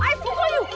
i pukul you